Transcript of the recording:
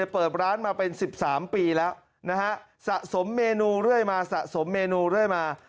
เปิดร้านมาเป็น๑๓ปีแล้วนะฮะสะสมเมนูเรื่อยมาสะสมเมนูเรื่อยมา